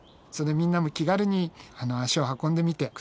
みんなも気軽に足を運んでみて下さい。